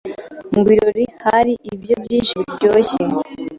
Mu birori hari ibiryo byinshi biryoshye